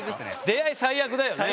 出会い最悪だよね。